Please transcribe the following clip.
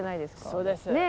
そうです。